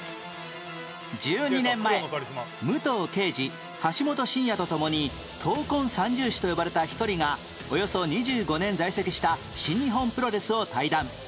１２年前武藤敬司橋本真也とともに闘魂三銃士と呼ばれた１人がおよそ２５年在籍した新日本プロレスを退団